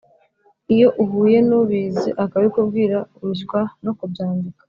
iyo uhuye n’ubizi akabikubwira, urushywa no kubyandika,